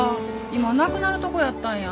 今なくなるとこやったんや。